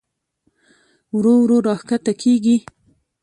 ورو ورو راښکته کېږي.